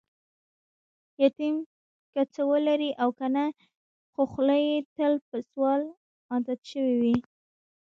یتیم که څه ولري او کنه، خوخوله یې تل په سوال عادت شوې وي.